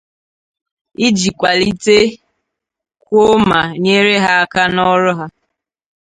iji kwàlitekwuo ma nyere ha aka n'ọrụ ha.